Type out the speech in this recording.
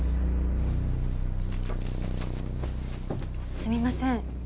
すみません。